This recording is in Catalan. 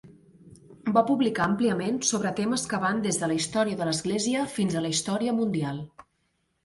Va publicar àmpliament sobre temes que van des de la història de l'Església fins a la història mundial.